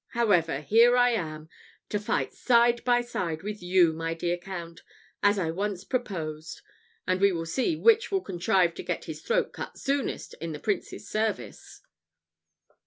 However, here I am, to fight side by side with you, my dear Count, as I once proposed; and we will see which will contrive to get his throat cut soonest in the Prince's service."